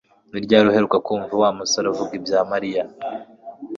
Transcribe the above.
Ni ryari uheruka kumva Wa musore avuga ibya Mariya